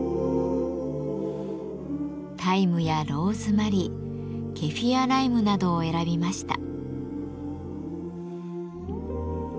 タイムやローズマリーケフィアライムなどを選びました。